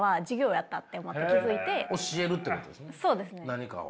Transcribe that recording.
何かを。